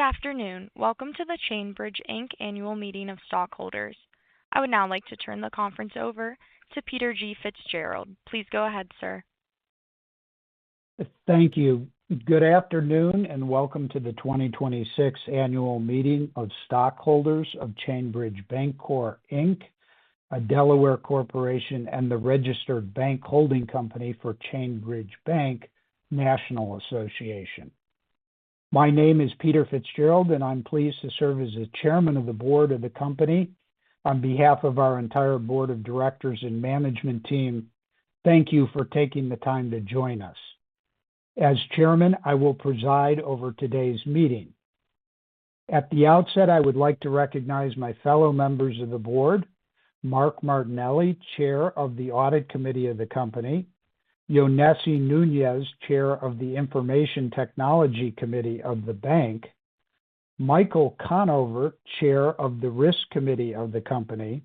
Good afternoon. Welcome to the Chain Bridge Inc. Annual Meeting of Stockholders. I would now like to turn the conference over to Peter G. Fitzgerald. Please go ahead, sir. Thank you. Good afternoon, and welcome to the 2026 Annual Meeting of Stockholders of Chain Bridge Bancorp Inc., a Delaware corporation and the registered bank holding company for Chain Bridge Bank National Association. My name is Peter Fitzgerald, and I'm pleased to serve as the Chairman of the Board of the company. On behalf of our entire board of directors and management team, thank you for taking the time to join us. As chairman, I will preside over today's meeting. At the outset, I would like to recognize my fellow members of the board, Mark Martinelli, Chair of the Audit Committee of the company, Yonesy Núñez, Chair of the Information Technology Committee of the bank, Michael Conover, Chair of the Risk Committee of the company,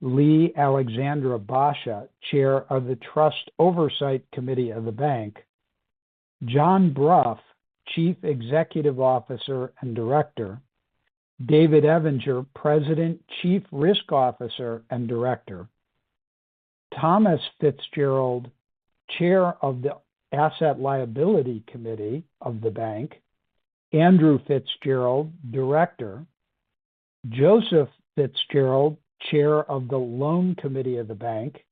Leigh-Alexandra Basha, Chair of the Trust Oversight Committee of the bank, John Brough, Chief Executive Officer and Director, David Evinger, President, Chief Risk Officer, and Director, Thomas Fitzgerald, Chair of the Asset Liability Committee of the bank, Andrew Fitzgerald, Director, Joseph Fitzgerald, Chair of the Loan Committee of the bank,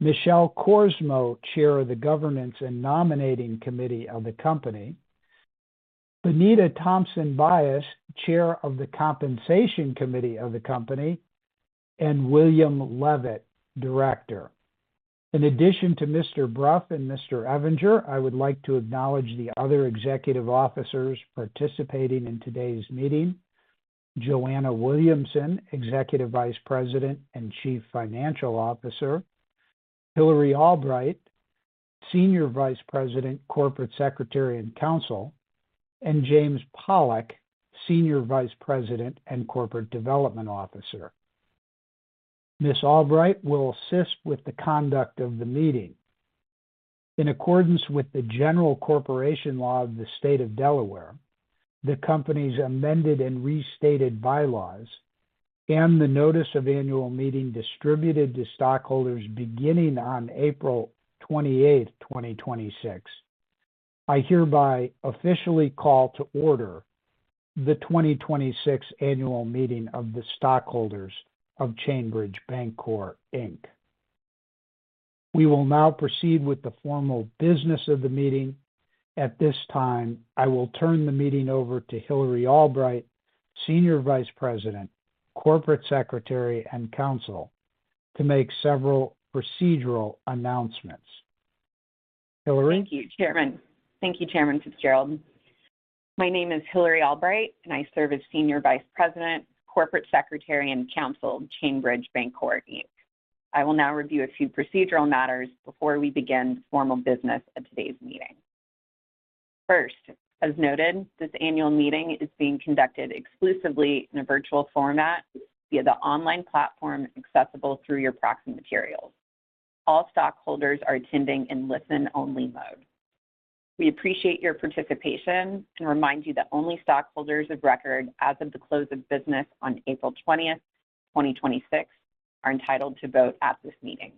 Michelle Korsmo, Chair of the Governance and Nominating Committee of the company, Benita Thompson-Byas, Chair of the Compensation Committee of the company, and William Leavitt, Director. In addition to Mr. Brough and Mr. Evinger, I would like to acknowledge the other executive officers participating in today's meeting. Joanna Williamson, Executive Vice President and Chief Financial Officer, Hilary Albrecht, Senior Vice President, Corporate Secretary, and Counsel, and James Pollock, Senior Vice President and Corporate Development Officer. Ms. Albrecht will assist with the conduct of the meeting. In accordance with the General Corporation Law of the state of Delaware, the company's amended and restated bylaws, and the notice of annual meeting distributed to stockholders beginning on April 28th, 2026, I hereby officially call to order the 2026 Annual Meeting of the Stockholders of Chain Bridge Bancorp Inc. We will now proceed with the formal business of the meeting. At this time, I will turn the meeting over to Hilary Albrecht, Senior Vice President, Corporate Secretary, and Counsel, to make several procedural announcements. Hilary? Thank you, Chairman Fitzgerald. My name is Hilary Albrecht, and I serve as Senior Vice President, Corporate Secretary, and Counsel of Chain Bridge Bancorp, Inc. I will now review a few procedural matters before we begin the formal business of today's meeting. First, as noted, this annual meeting is being conducted exclusively in a virtual format via the online platform accessible through your proxy materials. All stockholders are attending in listen-only mode. We appreciate your participation and remind you that only stockholders of record as of the close of business on April 20th, 2026 are entitled to vote at this meeting.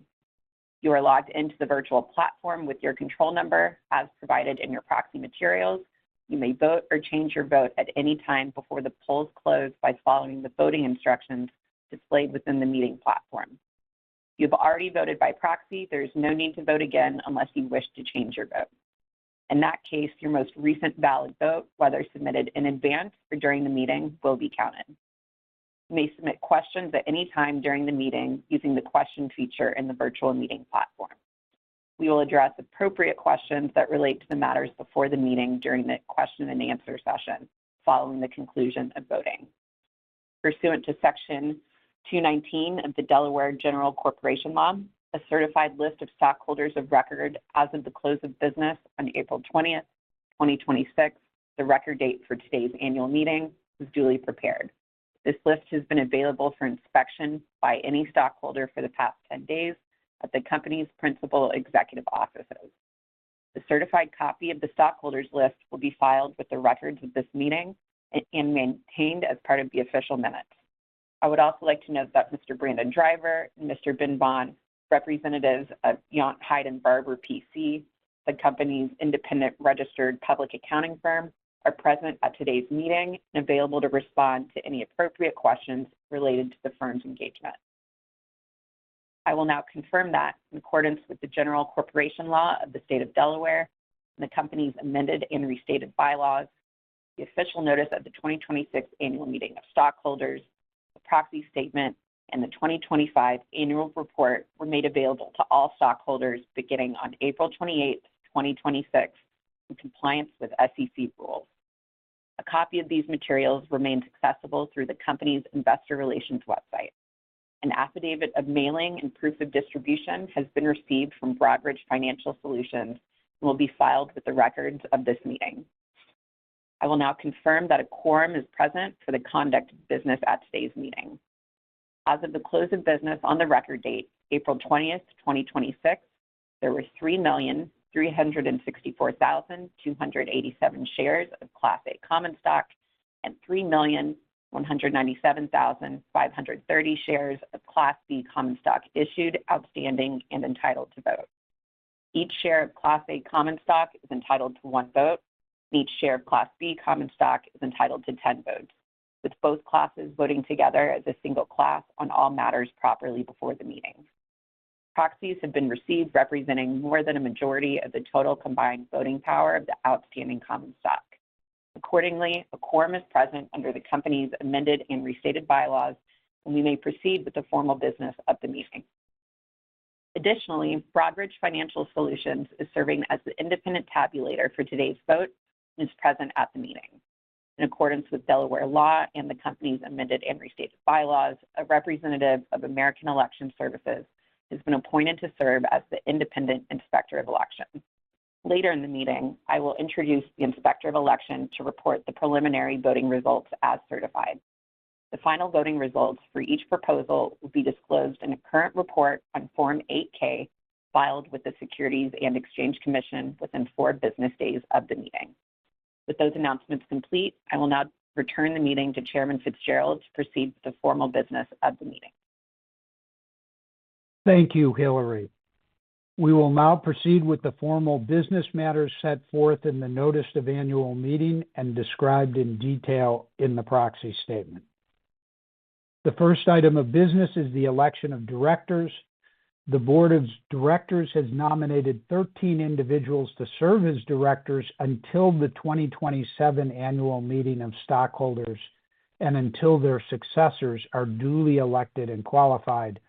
You are logged into the virtual platform with your control number as provided in your proxy materials. You may vote or change your vote at any time before the polls close by following the voting instructions displayed within the meeting platform. If you have already voted by proxy, there is no need to vote again unless you wish to change your vote. In that case, your most recent valid vote, whether submitted in advance or during the meeting, will be counted. You may submit questions at any time during the meeting using the question feature in the virtual meeting platform. We will address appropriate questions that relate to the matters before the meeting during the question-and-answer session following the conclusion of voting. Pursuant to Section 219 of the Delaware General Corporation Law, a certified list of stockholders of record as of the close of business on April 20th, 2026, the record date for today's annual meeting, was duly prepared. This list has been available for inspection by any stockholder for the past 10 days at the company's principal executive offices. The certified copy of the stockholders' list will be filed with the records of this meeting and maintained as part of the official minutes. I would also like to note that Mr. Brandon Driver and Mr. Ben Bond, representatives of Yount, Hyde & Barbour, P.C., the company's independent registered public accounting firm, are present at today's meeting and available to respond to any appropriate questions related to the firm's engagement. I will now confirm that in accordance with the General Corporation Law of the state of Delaware and the company's amended and restated bylaws, the official notice of the 2026 Annual Meeting of Stockholders, the proxy statement, and the 2025 annual report were made available to all stockholders beginning on April 28th, 2026, in compliance with SEC rules. A copy of these materials remains accessible through the company's investor relations website. An affidavit of mailing and proof of distribution has been received from Broadridge Financial Solutions and will be filed with the records of this meeting. I will now confirm that a quorum is present for the conduct of business at today's meeting As of the close of business on the record date, April 20th, 2026, there were 3,364,287 shares of Class A common stock and 3,197,530 shares of Class B common stock issued, outstanding, and entitled to vote. Each share of Class A common stock is entitled to one vote. Each share of Class B common stock is entitled to 10 votes, with both classes voting together as a single class on all matters properly before the meeting. Proxies have been received representing more than a majority of the total combined voting power of the outstanding common stock. Accordingly, a quorum is present under the company's amended and restated bylaws, and we may proceed with the formal business of the meeting. Additionally, Broadridge Financial Solutions is serving as the independent tabulator for today's vote and is present at the meeting. In accordance with Delaware law and the company's amended and restated bylaws, a representative of American Election Services has been appointed to serve as the independent inspector of election. Later in the meeting, I will introduce the inspector of election to report the preliminary voting results as certified. The final voting results for each proposal will be disclosed in a current report on Form 8-K filed with the Securities and Exchange Commission within four business days of the meeting. With those announcements complete, I will now return the meeting to Chairman Fitzgerald to proceed with the formal business of the meeting. Thank you, Hilary. We will now proceed with the formal business matters set forth in the notice of annual meeting and described in detail in the proxy statement. The first item of business is the election of directors. The board of directors has nominated 13 individuals to serve as directors until the 2027 annual meeting of stockholders and until their successors are duly elected and qualified,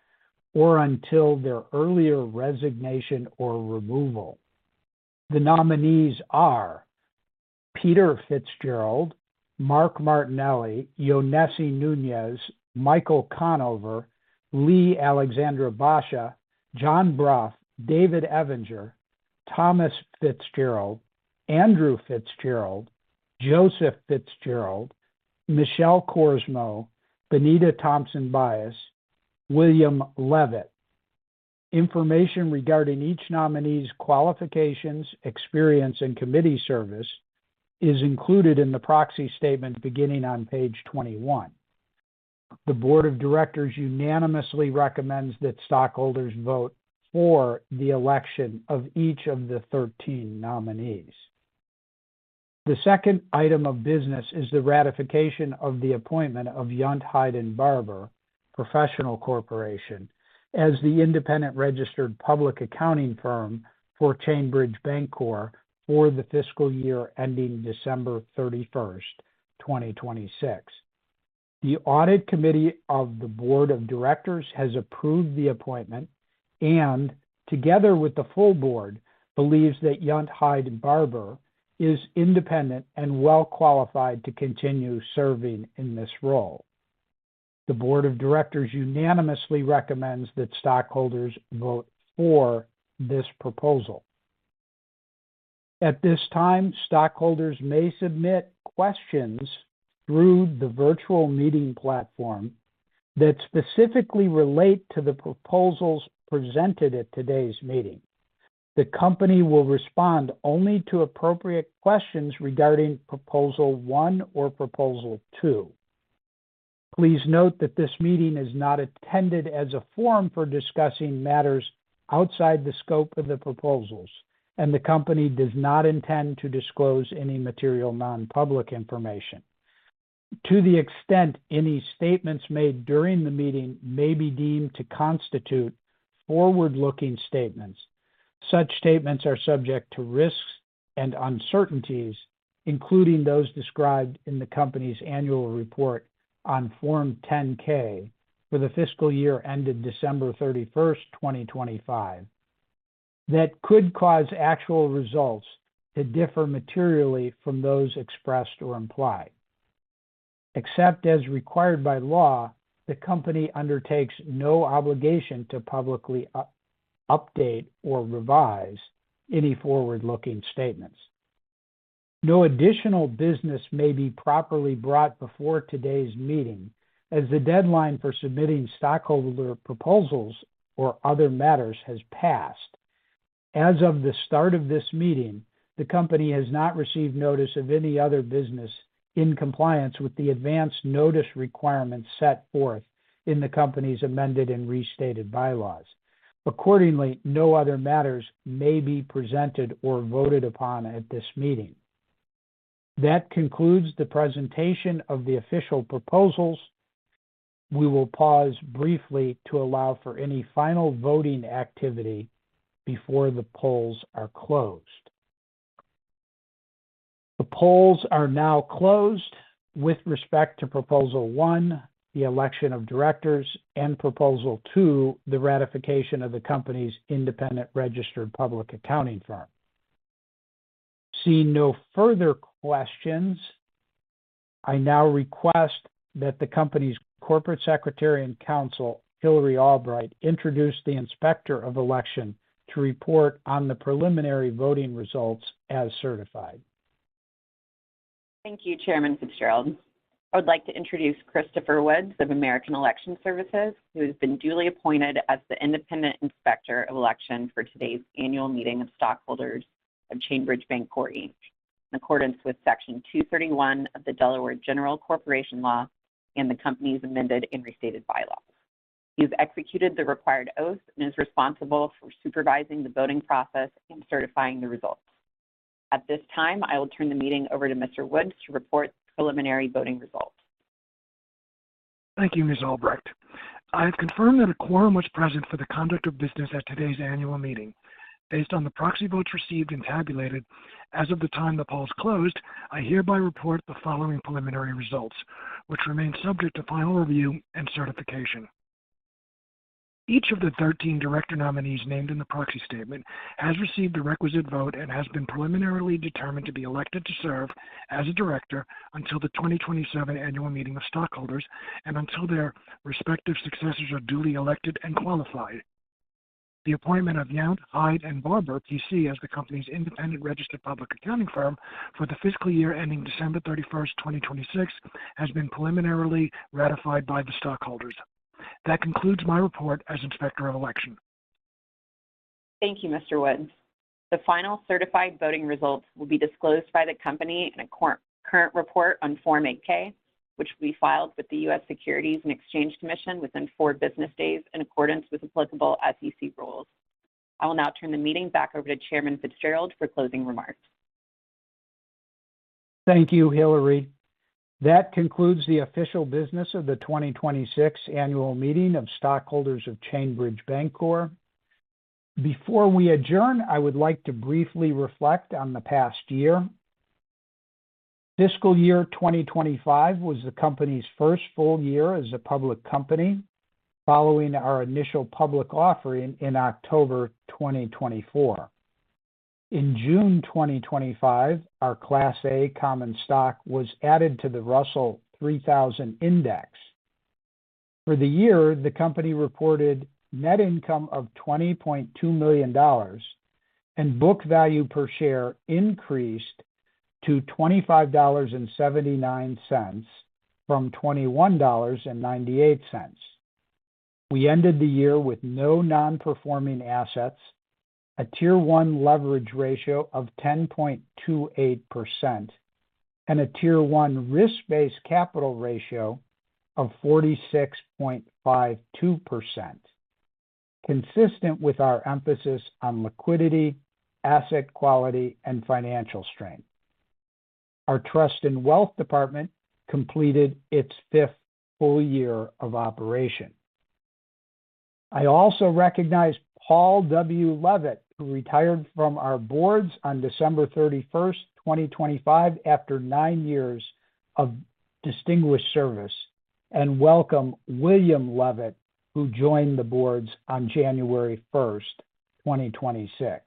or until their earlier resignation or removal. The nominees are Peter Fitzgerald, Mark Martinelli, Yonesy Núñez, Michael Conover, Leigh-Alexandra Basha, John Brough, David Evinger, Thomas Fitzgerald, Andrew Fitzgerald, Joseph Fitzgerald, Michelle Korsmo, Benita Thompson-Byas, William Leavitt. Information regarding each nominee's qualifications, experience, and committee service is included in the proxy statement beginning on page 21. The board of directors unanimously recommends that stockholders vote for the election of each of the 13 nominees. The second item of business is the ratification of the appointment of Yount, Hyde & Barbour, P.C., as the independent registered public accounting firm for Chain Bridge Bancorp for the fiscal year ending December 31st, 2026. The audit committee of the board of directors has approved the appointment and, together with the full board, believes that Yount, Hyde & Barbour is independent and well-qualified to continue serving in this role. The board of directors unanimously recommends that stockholders vote for this proposal. At this time, stockholders may submit questions through the virtual meeting platform that specifically relate to the proposals presented at today's meeting. The company will respond only to appropriate questions regarding proposal one or proposal two. Please note that this meeting is not intended as a forum for discussing matters outside the scope of the proposals, and the company does not intend to disclose any material non-public information. To the extent any statements made during the meeting may be deemed to constitute forward-looking statements, such statements are subject to risks and uncertainties, including those described in the company's annual report on Form 10-K for the fiscal year ended December 31st, 2025, that could cause actual results to differ materially from those expressed or implied. Except as required by law, the company undertakes no obligation to publicly update or revise any forward-looking statements. No additional business may be properly brought before today's meeting, as the deadline for submitting stockholder proposals or other matters has passed. As of the start of this meeting, the company has not received notice of any other business in compliance with the advance notice requirements set forth in the company's amended and restated bylaws. Accordingly, no other matters may be presented or voted upon at this meeting. That concludes the presentation of the official proposals. We will pause briefly to allow for any final voting activity before the polls are closed. The polls are now closed with respect to proposal one, the election of directors, and proposal two, the ratification of the company's independent registered public accounting firm. Seeing no further questions, I now request that the company's corporate secretary and counsel, Hilary Albrecht, introduce the inspector of election to report on the preliminary voting results as certified Thank you, Chairman Fitzgerald. I would like to introduce Christopher Woods of American Election Services, who has been duly appointed as the independent inspector of election for today's annual meeting of stockholders of Chain Bridge Bancorp, Inc., in accordance with Section 231 of the Delaware General Corporation Law and the company's amended and restated bylaws. He has executed the required oath and is responsible for supervising the voting process and certifying the results. At this time, I will turn the meeting over to Mr. Woods to report the preliminary voting results. Thank you, Ms. Albrecht. I have confirmed that a quorum was present for the conduct of business at today's annual meeting. Based on the proxy votes received and tabulated as of the time the polls closed, I hereby report the following preliminary results, which remain subject to final review and certification. Each of the 13 director nominees named in the proxy statement has received the requisite vote and has been preliminarily determined to be elected to serve as a director until the 2027 annual meeting of stockholders and until their respective successors are duly elected and qualified. The appointment of Yount, Hyde & Barbour, P.C. as the company's independent registered public accounting firm for the fiscal year ending December 31st, 2026, has been preliminarily ratified by the stockholders. That concludes my report as Inspector of Election. Thank you, Mr. Woods. The final certified voting results will be disclosed by the company in a current report on Form 8-K, which will be filed with the Securities and Exchange Commission within four business days in accordance with applicable SEC rules. I will now turn the meeting back over to Chairman Fitzgerald for closing remarks. Thank you, Hilary. That concludes the official business of the 2026 annual meeting of stockholders of Chain Bridge Bancorp. Before we adjourn, I would like to briefly reflect on the past year. FY 2025 was the company's first full year as a public company, following our initial public offering in October 2024. In June 2025, our Class A common stock was added to the Russell 3000 Index. For the year, the company reported net income of $20.2 million, and book value per share increased to $25.79 from $21.98. We ended the year with no non-performing assets, a Tier 1 leverage ratio of 10.28%, and a Tier 1 risk-based capital ratio of 46.52%, consistent with our emphasis on liquidity, asset quality, and financial strength. Our trust and wealth department completed its fifth full year of operation. I also recognize Paul W. Leavitt, who retired from our boards on December 31st, 2025, after nine years of distinguished service, and welcome William Leavitt, who joined the boards on January 1st, 2026.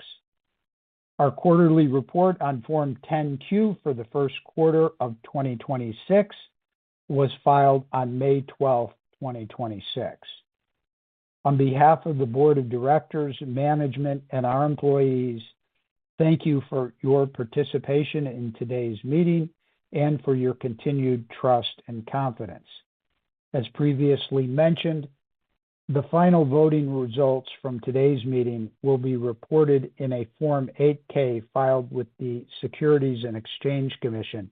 Our quarterly report on Form 10-Q for the first quarter of 2026 was filed on May 12th, 2026. On behalf of the board of directors, management, and our employees, thank you for your participation in today's meeting and for your continued trust and confidence. As previously mentioned, the final voting results from today's meeting will be reported in a Form 8-K filed with the Securities and Exchange Commission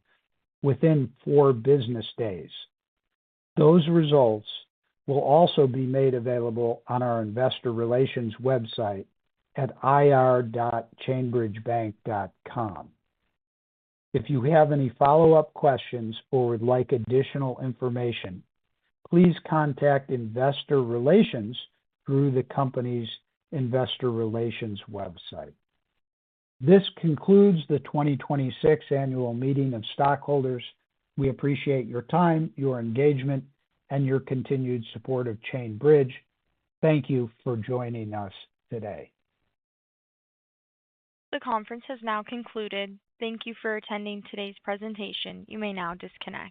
within four business days. Those results will also be made available on our investor relations website at ir.chainbridgebank.com. If you have any follow-up questions or would like additional information, please contact investor relations through the company's investor relations website. This concludes the 2026 annual meeting of stockholders. We appreciate your time, your engagement, and your continued support of Chain Bridge. Thank you for joining us today. The conference has now concluded. Thank you for attending today's presentation. You may now disconnect.